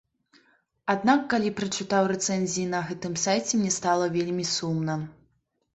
Аднак, калі прачытаў рэцэнзіі на гэтым сайце, мне стала вельмі сумна.